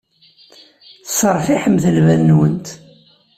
Sseṛtiḥemt lbal-nwent.